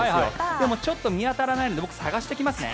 でもちょっと見当たらないので僕、探してきますね。